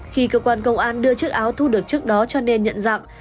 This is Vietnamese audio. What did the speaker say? khi cơ quan công an đưa chức áo thu được chức đó cho nên nhận dạng